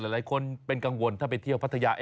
หลายคนเป็นกังวลถ้าไปเที่ยวพัทยา